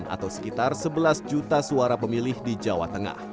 atau sekitar sebelas juta suara pemilih di jawa tengah